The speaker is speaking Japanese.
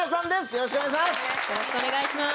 よろしくお願いします。